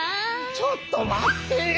ちょっと待って！